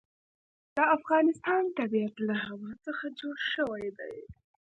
د افغانستان طبیعت له هوا څخه جوړ شوی دی.